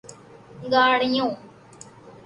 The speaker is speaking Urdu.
گاڑیوں